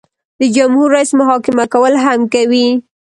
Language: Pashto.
د جمهور رئیس محاکمه کول هم کوي.